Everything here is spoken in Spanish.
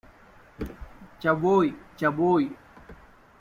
Ya voy, ya voy.